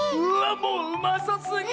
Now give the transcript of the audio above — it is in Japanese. もううまそすぎ！